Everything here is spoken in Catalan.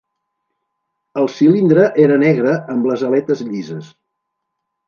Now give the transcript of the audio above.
El cilindre era negre amb les aletes llises.